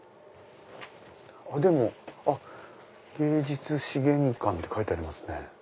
でも芸術資源館って書いてありますね。